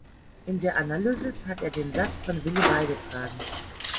In der Analysis hat er den Satz von Wille beigetragen.